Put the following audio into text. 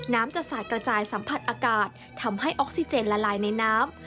น้ำจะสาดกระจายสัมผัสอากาศทำให้ออกซิเจนละลายในน้ำ